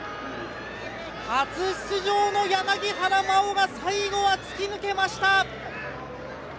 初出場の柳原真緒が最後は突き抜けました。